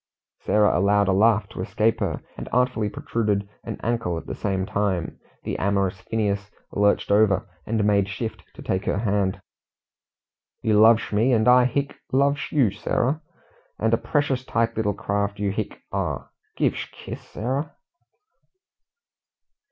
Sarah allowed a laugh to escape her, and artfully protruded an ankle at the same time. The amorous Phineas lurched over, and made shift to take her hand. "You lovsh me, and I hic lovsh you, Sarah. And a preshus tight little craft you hic are. Giv'sh kiss, Sarah."